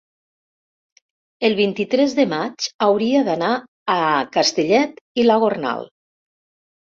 el vint-i-tres de maig hauria d'anar a Castellet i la Gornal.